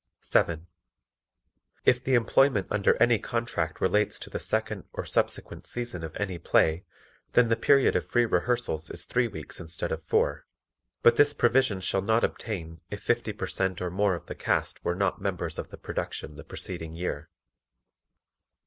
7. If the employment under any contract relates to the second or subsequent season of any play then the period of free rehearsals is three weeks instead of four, but this provision shall not obtain if 50 per cent or more of the cast were not members of the production the preceding year.